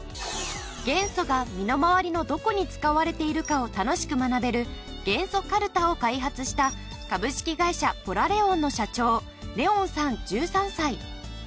元素が身の回りのどこに使われているかを楽しく学べる元素カルタを開発した株式会社ｐｏｌａｒｅｗｏｎの社長レウォンさん１３歳。